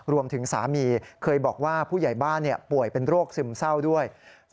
รวมถึงสามีเคยบอกว่าผู้ใหญ่บ้านป่วยเป็นโรคซึมเศร้าด้วย